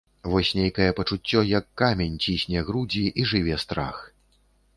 Вось нейкае пачуццё, як камень, цісне грудзі, і жыве страх.